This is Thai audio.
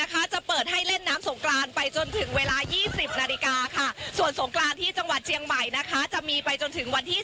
จะเปิดให้เล่นน้ำสงกรานไปจนถึงเวลา๒๐นาฬิกาค่ะส่วนสงกรานที่จังหวัดเจียงใหม่นะคะจะมีไปจนถึงวันที่